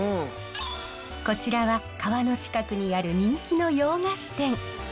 こちらは川の近くにある人気の洋菓子店。